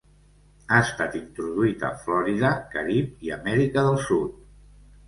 Ha estat introduït a Florida, Carib i Amèrica del Sud.